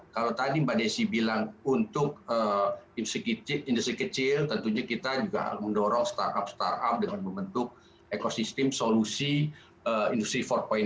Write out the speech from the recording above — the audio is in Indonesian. kalau tadi mbak desi bilang untuk industri kecil tentunya kita juga mendorong startup startup dengan membentuk ekosistem solusi industri empat